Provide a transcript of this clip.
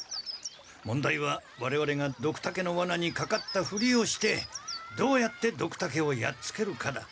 問題はわれわれがドクタケのワナにかかったふりをしてどうやってドクタケをやっつけるかだ。